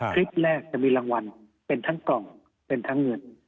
คลิปแรกจะมีรางวัลเป็นทั้งกล่องเป็นทั้งเงิน